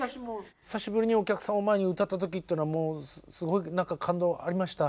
久しぶりにお客さんを前に歌った時っていうのはもう何か感動ありました？